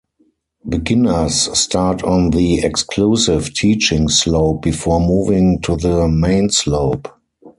Beginners start on the exclusive teaching slope before moving to the main slope.